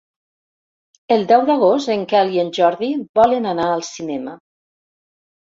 El deu d'agost en Quel i en Jordi volen anar al cinema.